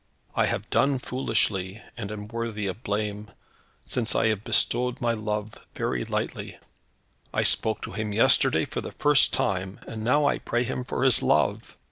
I have done foolishly, and am worthy of blame, since I have bestowed my love very lightly. I spoke to him yesterday for the first time, and now I pray him for his love.